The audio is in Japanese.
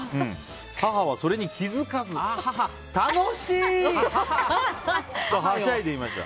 母はそれに気づかず、楽しい！とはしゃいでいました。